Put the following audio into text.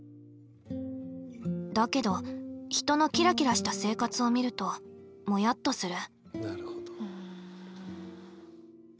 だけど人のキラキラした生活を見るともやっとする。